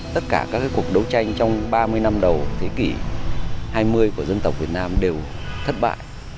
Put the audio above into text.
tất cả các cuộc đấu tranh trong ba mươi năm đầu thế kỷ hai mươi của dân tộc việt nam đều thất bại